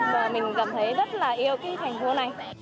và mình cảm thấy rất là yêu cái thành phố này